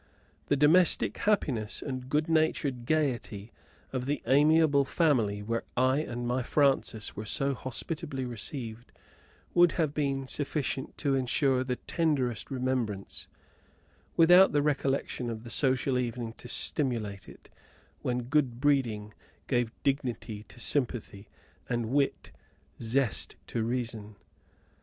The domestic happiness and good humoured gaiety of the amiable family where I and my Frances were so hospitably received would have been sufficient to ensure the tenderest remembrance, without the recollection of the social evening to stimulate it, when good breeding gave dignity to sympathy and wit zest to reason.